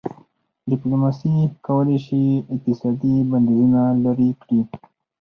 ډيپلوماسي کولای سي اقتصادي بندیزونه لېرې کړي.